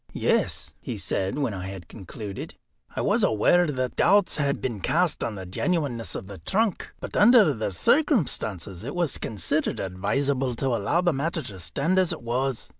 "Yes," he said, when I had concluded, "I was aware that doubts had been cast on the genuineness of the trunk. But under the circumstances it was considered advisable to allow the matter to stand as it was.